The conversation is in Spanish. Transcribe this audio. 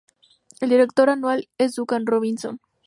El Director actual es Duncan Robinson.